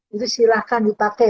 itu silahkan dipakai